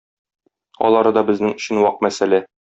Алары да безнең өчен вак мәсьәлә!